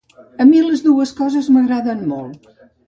I a mi les dues coses m’agraden molt.